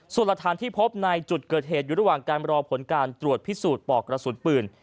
ส่วนหลักฐานที่พบในจุดเกิดเหตุอยู่ระหว่างการรอผลการตรวจพิสูจน์ปอกกระสุนปืน